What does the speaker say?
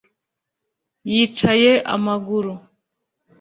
Yicaye amaguru